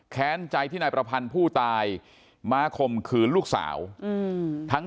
แค้นใจที่นายประพันธ์ผู้ตายมาคมคืนลูกสาวอืม